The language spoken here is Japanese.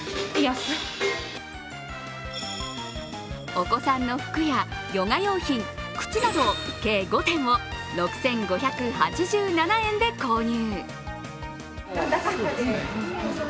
お子さんの服やヨガ用品、靴など計５点を６５８７円で購入。